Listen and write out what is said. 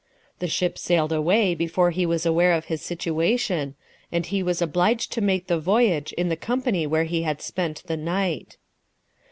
The ship sailed away before he was aware of his situation, and he was obliged to make the voyage in the company where he had spent the night.